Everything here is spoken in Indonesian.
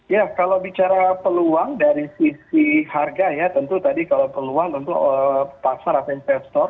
ya kalau bicara peluang dari sisi harga ya tentu tadi kalau peluang tentu pasar atau investor